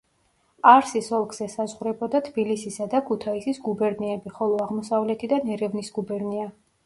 ყარსის ოლქს ესაზღვრებოდა თბილისისა და ქუთაისის გუბერნიები, ხოლო აღმოსავლეთიდან ერევნის გუბერნია.